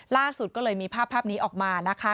ล่าสุดก็เลยมีภาพนี้ออกมานะคะ